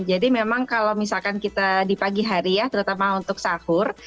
jadi memang kalau misalkan kita di pagi hari ya terutama untuk sahur